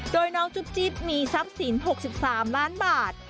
โดยน้องจุ๊บจิ๊บมีทรัพย์สิน๖๓ล้านบาท